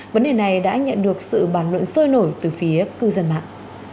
vấn đề này đã nhận được sự bàn luận sôi nổi từ phía cư dân mạng